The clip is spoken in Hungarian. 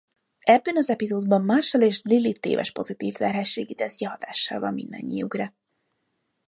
Ebben az epizódban Marshall és Lily téves pozitív terhességi tesztje hatással van mindannyiukra.